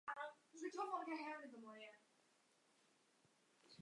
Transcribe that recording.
背靠背连接是指将输出设备与相似或相关的输入设备进行直接连接。